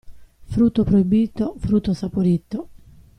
Frutto proibito, frutto saporito.